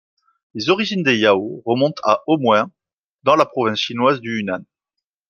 Les origines des Yao remontent à au moins, dans la province chinoise du Hunan.